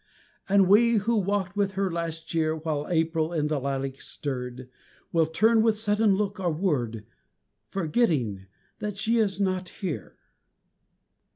And we, who walked with her last year While April in the lilacs stirred, Will turn with sudden look or word Forgetting that she is not here.